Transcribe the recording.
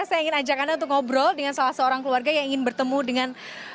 saya ingin ajak anda untuk ngobrol dengan salah seorang keluarga yang ingin bertemu dengan